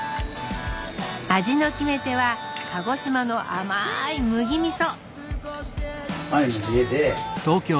味の決め手は鹿児島の甘い麦みそ！